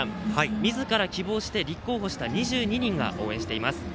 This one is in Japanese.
みずから希望して立候補した２２人が応援しています。